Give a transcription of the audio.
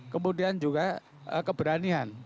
kemudian juga keberanian